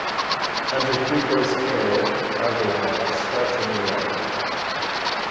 Under Glico's care, Ageha starts a new life.